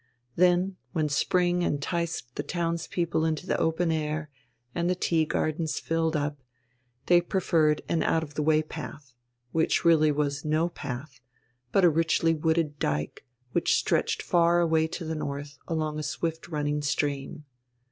Then, when spring enticed the townspeople into the open air and the tea gardens filled up, they preferred an out of the way path, which really was no path, but a richly wooded dyke, which stretched far away to the north along a swift running stream.